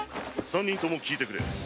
三人とも聞いてくれ。